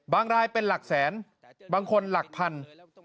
รายเป็นหลักแสนบางคนหลักพัน